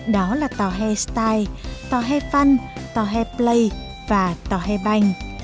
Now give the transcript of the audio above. đó là tòa hê style tòa hê fun tòa hê play và tòa hê banh